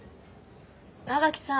馬垣さん